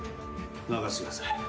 任してください。